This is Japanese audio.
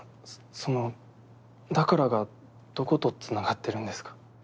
その「だから」がどことつながってるんですか？